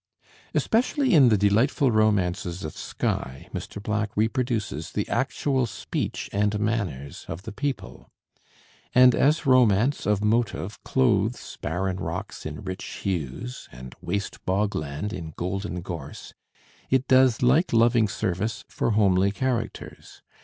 Especially in the delightful romances of Skye, Mr. Black reproduces the actual speech and manners of the people. And as romance of motive clothes barren rocks in rich hues and waste bogland in golden gorse, it does like loving service for homely characters.